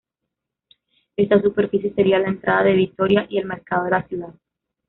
Esta superficie sería la entrada de Vitoria y el mercado de la ciudad.